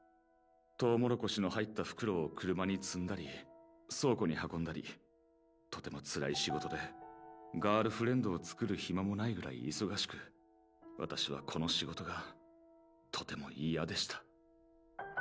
トウモロコシの入った袋を車につんだり倉庫に運んだりとてもつらい仕事でガールフレンドを作るヒマもないぐらい忙しくわたしはこの仕事がとてもいやでした。